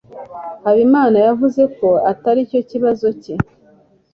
Habimana yavuze ko atari cyo kibazo cye